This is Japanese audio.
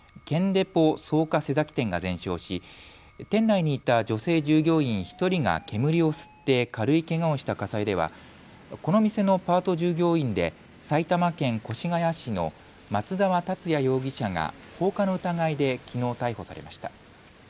デポ草加瀬崎店が全焼し店内にいた女性従業員１人が煙を吸って軽いけがをした火災ではこの店のパート従業員で埼玉県越谷市の松澤達也容疑者が放火の疑いできのう逮捕されました。